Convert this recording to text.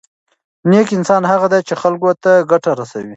نېک انسان هغه دی چې خلکو ته ګټه رسوي.